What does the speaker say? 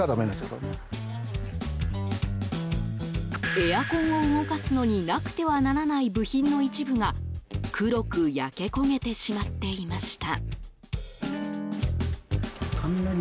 エアコンを動かすのになくてはならない部品の一部が黒く焼け焦げてしまっていました。